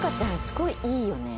すごいいいよね。